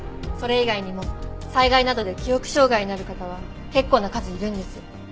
それ以外にも災害などで記憶障害になる方は結構な数いるんです。